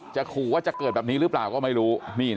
ขู่ว่าจะเกิดแบบนี้หรือเปล่าก็ไม่รู้